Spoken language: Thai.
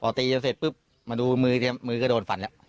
พอตีกันเสร็จปุ๊บมาดูมือมือก็โดนฟันแล้ว